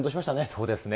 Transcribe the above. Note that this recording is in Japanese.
そうですね。